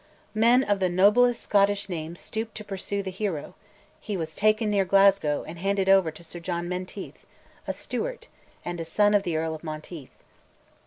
Men of the noblest Scottish names stooped to pursue the hero: he was taken near Glasgow, and handed over to Sir John Menteith, a Stewart, and son of the Earl of Menteith.